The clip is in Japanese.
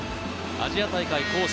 アジア大会杭州。